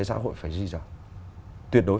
xã hội phải gì rồi tuyệt đối